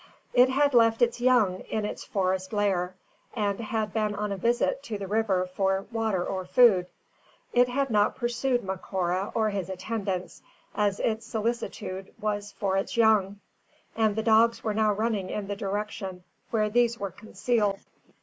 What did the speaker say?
It had left its young in its forest lair, and had been on a visit to the river for water or food. It had not pursued Macora or his attendants, as its solicitude was for its young, and the dogs were now running in the direction where these were concealed.